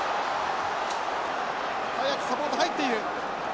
早くサポート入っている。